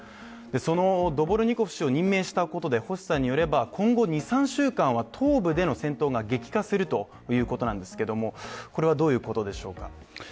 そのドボルニコフ氏を任命したことによって今後２３週間は東部での戦闘が激化するということなんですけどもこれはどういうことでしょうか？